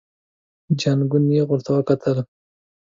جانکو نيغ ورته وکتل.